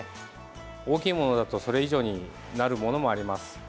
大きいものだとそれ以上になるものもあります。